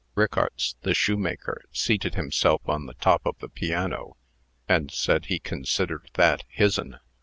Rickarts, the shoemaker, seated himself on the top of the piano, and said he considered that his'n.